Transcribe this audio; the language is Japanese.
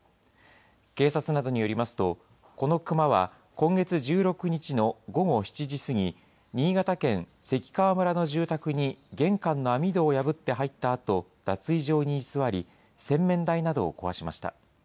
警察などによりますと、このクマは今月１６日の午後７時過ぎ、新潟県関川村の住宅に玄関の網戸を破って入ったあと、脱衣場に居座り、洗面台などを壊しました。